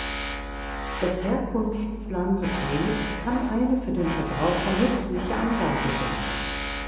Das Herkunftsland des Honigs kann eine für den Verbraucher nützliche Angabe sein.